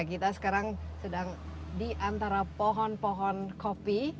kita sekarang sedang di antara pohon pohon kopi